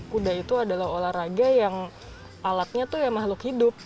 kuda itu adalah olahraga yang alatnya itu ya makhluk hidup